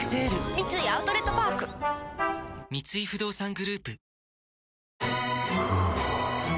三井アウトレットパーク三井不動産グループふぅ